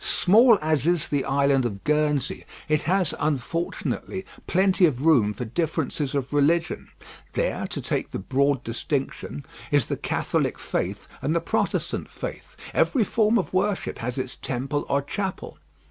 Small as is the island of Guernsey, it has, unfortunately, plenty of room for differences of religion; there, to take the broad distinction, is the Catholic faith and the Protestant faith; every form of worship has its temple or chapel.